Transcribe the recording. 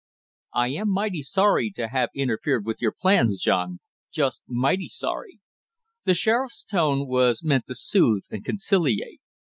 "I am mighty sorry to have interfered with your plans, John just mighty sorry." The sheriff's tone was meant to soothe and conciliate.